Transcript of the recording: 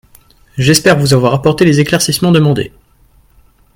J’espère vous avoir apporté les éclaircissements demandés.